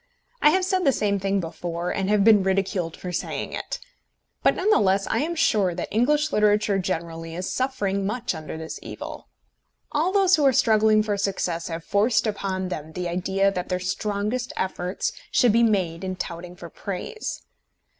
I have said the same thing before, and have been ridiculed for saying it. But none the less am I sure that English literature generally is suffering much under this evil. All those who are struggling for success have forced upon them the idea that their strongest efforts should be made in touting for praise.